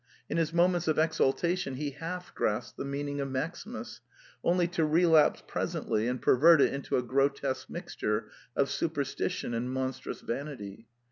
In his moments of exaltation he half grasps the meaning of Maximus, only to relapse presently and pervert it into a grotesque mixture of superstition and monstrous vanity.